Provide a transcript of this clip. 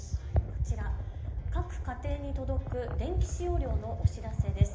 こちら、各家庭に届く電気使用量のお知らせです。